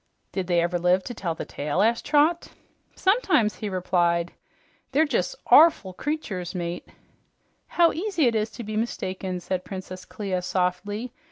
"Did they ever live to tell the tale?" asked Trot. "Sometimes," he replied. "They're jes' ORful creatures, mate." "How easy it is to be mistaken," said Princess Clia softly.